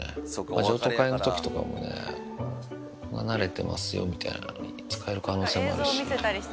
譲渡会のときとかもね、なれてますよみたいなのに、使える可能性もあるし。